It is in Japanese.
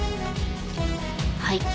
はい。